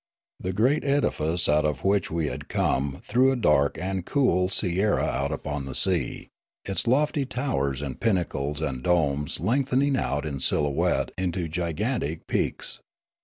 The great edifice out of which we had come threw a dark and cool sierra Sneekape ■ 149 out upon the sea ; its lofty towers and pinnacles and domes lengthening out in silhouette into gigantic peaks.